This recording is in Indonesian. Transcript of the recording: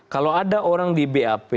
kalau ada orang di bap